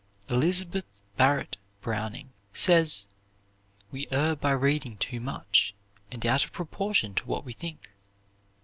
Elizabeth Barrett Browning says, "We err by reading too much, and out of proportion to what we think.